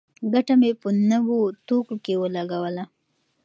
ګټه مې په نوو توکو کې ولګوله.